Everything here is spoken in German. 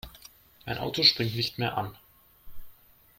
Mein Auto springt nicht mehr an.